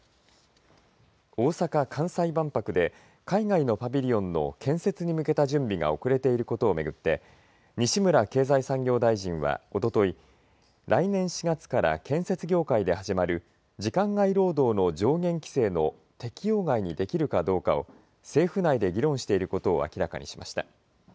大阪・関西万博で海外のパビリオンの建設に向けた準備が遅れていることを巡って西村経済産業大臣はおととい来年４月から建設業界で始まる時間外労働の上限規制の適用外にできるかどうかを政府内で議論していることを明らかにしました。